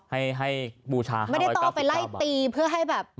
ไม่ได้ต่อไปไล่ตีเพื่อให้แบบ